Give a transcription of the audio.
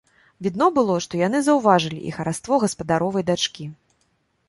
Відно было, што яны заўважылі і хараство гаспадаровай дачкі.